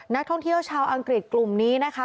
นักท่องเที่ยวชาวอังกฤษกลุ่มนี้นะคะ